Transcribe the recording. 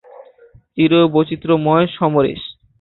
চির বৈচিত্র্যময় সমরেশ